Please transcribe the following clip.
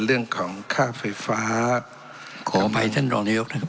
เรื่องของค่าไฟฟ้าขออภัยท่านรองนายกนะครับ